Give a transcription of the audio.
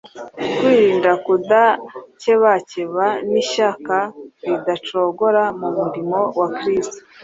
kwirinda kudakebakeba n’ishyaka ridacogora mu murimo wa kristo,